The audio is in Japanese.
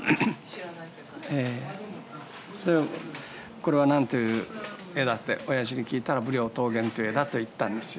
これは何という絵だっておやじに聞いたら「『武陵桃源』という絵だ」と言ったんですよ。